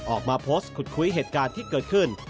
ออกมาโพสต์ขุดคุยเหตุการณ์ที่เกิดขึ้น